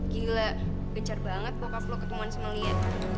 gila bencer banget bokap lo ketemuan sama lia